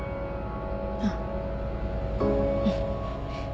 あっうん。